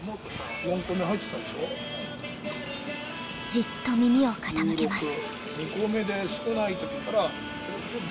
じっと耳を傾けます。